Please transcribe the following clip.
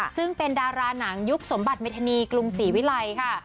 ซึ่งเป็นดาราหนังยุคสมบัติเมธานีกรุงศรีวิลัยค่ะ